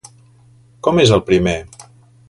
Com és el primer?